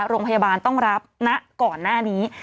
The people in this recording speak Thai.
โรงพยาบาลต้องรับณก่อนหน้านี้